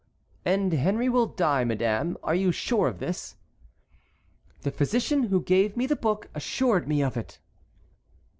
"And Henry will die, madame? Are you sure of this?" "The physician who gave me the book assured me of it."